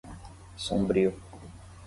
Sombrio